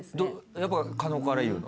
やっぱ加納から言うの？